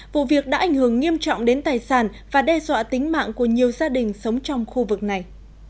vụ việc đã ảnh hưởng nghiêm trọng đến tài sản và đe dọa tính mạng của nhiều gia đình sống trong khu vực này